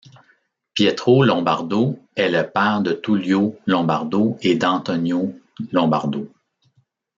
Pietro Lombardo est le père de Tullio Lombardo et d'Antonio Lombardo.